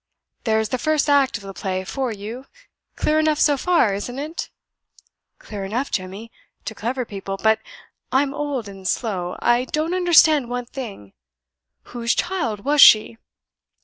There is the first act of the play for you! Clear enough, so far, isn't it?" "Clear enough, Jemmy, to clever people. But I'm old and slow. I don't understand one thing. Whose child was she?"